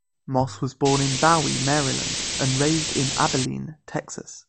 Moss was born in Bowie, Maryland and raised in Abilene, Texas.